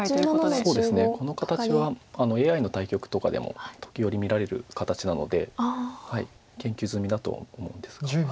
この形はＡＩの対局とかでも時折見られる形なので研究済みだと思うんですが。